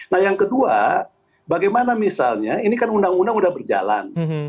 nah yang kedua bagaimana misalnya ini kan undang undang sudah berjalan